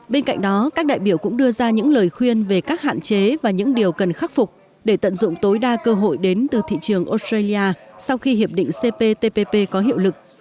bên cạnh đó các đại biểu cũng đưa ra những lời khuyên về các hạn chế và những điều cần khắc phục để tận dụng tối đa cơ hội đến từ thị trường australia sau khi hiệp định cptpp có hiệu lực